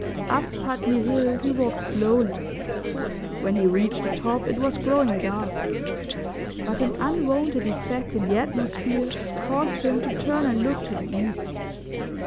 Up Putney Hill he walked slowly; when he reached the top it was growing dark, but an unwonted effect in the atmosphere caused him to turn and look to the east.